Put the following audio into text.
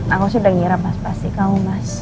aku sih udah ngira mas pasti kamu mas